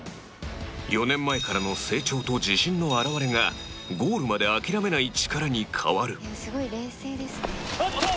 ４年前からの成長と自信の表れがゴールまで諦めない力に変わる実況：おっと！